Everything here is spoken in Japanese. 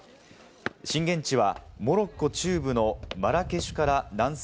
震源地はモロッコ中部のマラケシュから南西